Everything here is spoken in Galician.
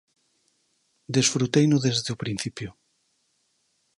Desfruteino desde o principio.